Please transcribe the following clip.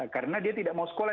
karena dia tidak mau sekolah